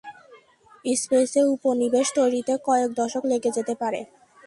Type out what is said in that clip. স্পেসে উপনিবেশ তৈরিতে কয়েক দশক লেগে যেতে পারে।